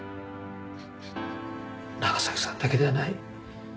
長崎さんだけではない。